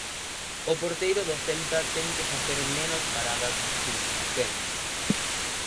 O porteiro do Celta ten que facer menos paradas nos últimos tempos.